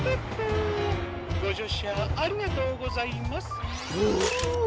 ごじょうしゃありがとうございます。